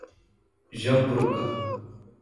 Jampruca